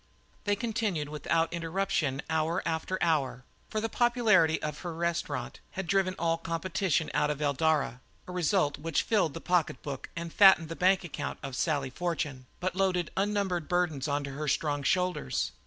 They continued without interruption hour after hour, for the popularity of her restaurant had driven all competition out of Eldara, a result which filled the pocket book and fattened the bank account of Sally Fortune, but loaded unnumbered burdens onto her strong shoulders.